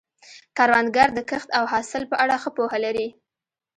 کروندګر د کښت او حاصل په اړه ښه پوهه لري